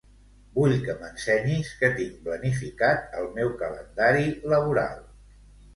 Vull que m'ensenyis què tinc planificat al meu calendari laboral.